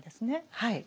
はい。